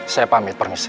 saya pamit permisi